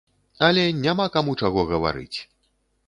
Але няма каму чаго гаварыць!